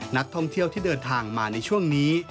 นักท่องเที่ยวที่เดินทางมาในช่วงนี้